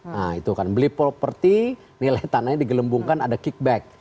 nah itu kan beli properti nilai tanahnya digelembungkan ada kickback